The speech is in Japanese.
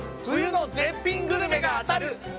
冬の絶品グルメが当たる！